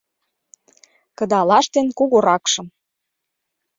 Кыдалаш ден кугуракшым